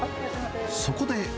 そこで。